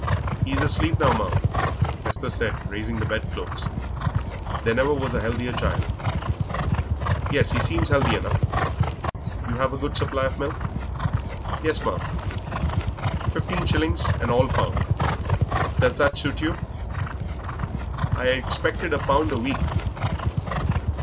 "He is asleep now, ma'am," Esther said, raising the bed clothes; "there never was a healthier child." "Yes, he seems healthy enough. You have a good supply of milk?" "Yes, ma'am." "Fifteen shillings, and all found. Does that suit you?" "I had expected a pound a week."